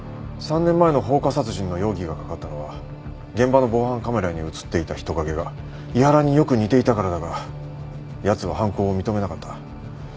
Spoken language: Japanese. ３年前の放火殺人の容疑がかかったのは現場の防犯カメラに写っていた人影が井原によく似ていたからだがやつは犯行を認めなかった。